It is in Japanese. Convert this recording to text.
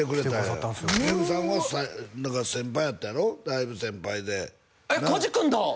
めぐさんはだから先輩やったやろだいぶ先輩でえっ梶君だ！